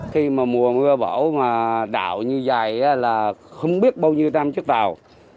khi mà mùa mưa bão mà đạo như vậy là không biết bao nhiêu trăm chiếc tàu